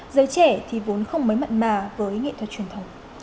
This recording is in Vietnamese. giới trẻ thì vốn không mấy mặn mà với nghệ thuật truyền thống